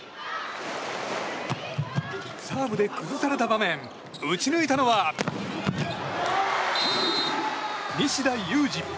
サーブで崩された場面打ち抜いたのは西田有志。